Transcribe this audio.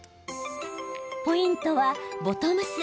ポイントはボトムス。